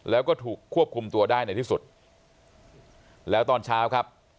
แล้วก็ถูกควบคุมตัวได้ในที่สุดแล้วตอนเช้าครับ